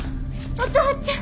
お父ちゃん！